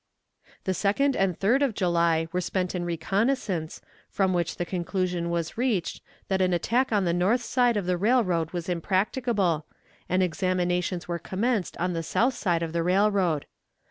The 2d and 3d of July were spent in reconnaissance, from which the conclusion was reached that an attack on the north side of the railroad was impracticable, and examinations were commenced on the south side of the railroad.